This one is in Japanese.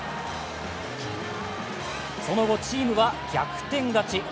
その後、チームは逆転勝ち。